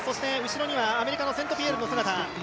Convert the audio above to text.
後ろにはアメリカのセント・ピエールの姿。